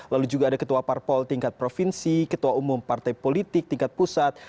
lalu juga ada ketua parpol tingkat provinsi ketua umum partai politik tingkat pusat